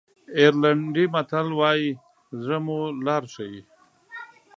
آیرلېنډي متل وایي زړه مو لاره ښیي.